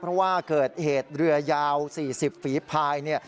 เพราะว่าเกิดเหตุเรือยาว๔๐ฝีพาย